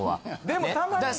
でもたまに。